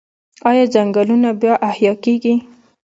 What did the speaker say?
آیا ځنګلونه بیا احیا کیږي؟